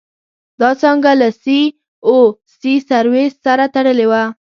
دا څانګه له سي او سي سرویسس سره تړلې وه.